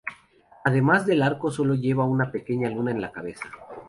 Además del arco solo lleva una pequeña luna en la cabeza.